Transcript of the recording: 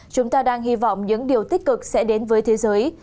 chúng ta đang hy vọng những điều tích cực sẽ đến với thế giới